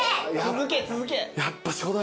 続け続け！